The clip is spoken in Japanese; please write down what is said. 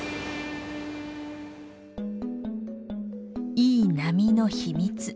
いい波の秘密。